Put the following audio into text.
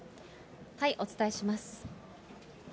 お伝えします。